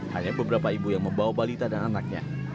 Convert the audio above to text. hanya beberapa ibu yang membawa balita dan anaknya